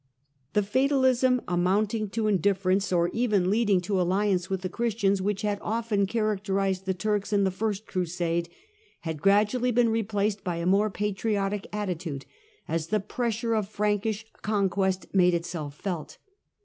The fatalism, amounting to indifference, or even leading THE COMNENI AND THE TWO FIRST CRUSADES 149 to alliance with the Christians, which had often charac terized the Turks in the First Crusade, had gradually been replaced by a more patriotic attitude as the pressure of Frankish conquest made itself felt.